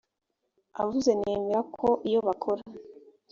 avuze nemera ko iyo bakora